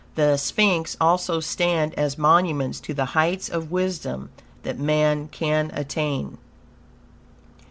The sphinx also stand as monuments to the heights of wisdom that man can attain.